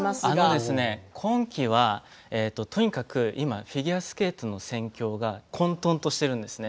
今季は今、とにかくフィギュアスケートの戦況が混とんとしているんですね。